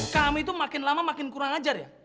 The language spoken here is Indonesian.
kami itu makin lama makin kurang ajar ya